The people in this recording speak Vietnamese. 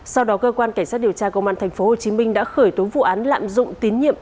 sau đó cơ quan cảnh sát điều tra công an tp hcm đã khởi tố vụ án lạm dụng tín nhiệm